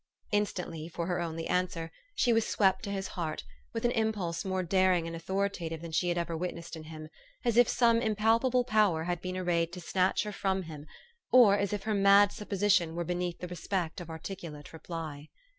" Instantly, for her only answer, she was swept to his heart, with an impulse more daring and authori tative than she had ever witnessed in him, as if some impalpable power had been arrayed to snatch her from him, or as if her mad supposition were be neath the respect of articulate reply.